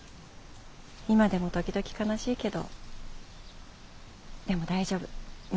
今でも時々悲しいけどでも大丈夫娘がいるから。